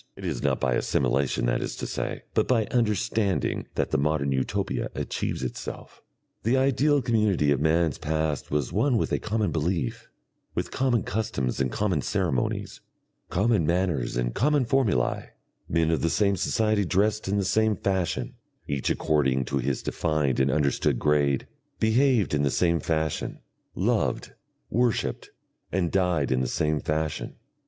It is not by assimilation, that is to say, but by understanding that the modern Utopia achieves itself. The ideal community of man's past was one with a common belief, with common customs and common ceremonies, common manners and common formulae; men of the same society dressed in the same fashion, each according to his defined and understood grade, behaved in the same fashion, loved, worshipped, and died in the same fashion.